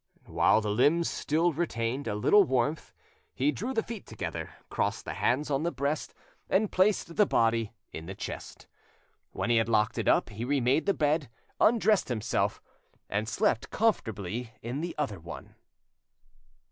While the limbs still retained a little warmth, he drew the feet together, crossed the hands on the breast, and placed the body in the chest. When he had locked it up, he remade the bed, undressed himself, and slept comfortably in the other one.